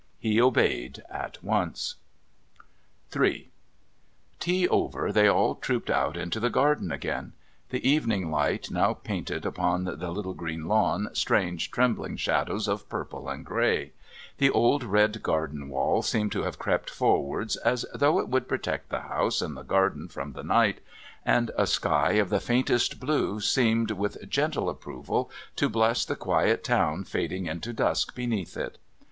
He obeyed at once. III Tea over, they all trooped out into the garden again. The evening light now painted upon the little green lawn strange trembling shadows of purple and grey; the old red garden wall seemed to have crept forwards, as though it would protect the house and the garden from the night; and a sky of the faintest blue seemed, with gentle approval, to bless the quiet town fading into dusk beneath it.